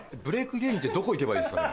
芸人ってどこ行けばいいですかね？